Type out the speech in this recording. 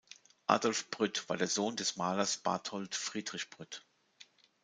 Adolf Brütt war der Sohn des Malers Barthold Friedrich Brütt.